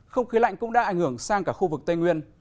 không khí lạnh cũng đã ảnh hưởng sang cả khu vực tây nguyên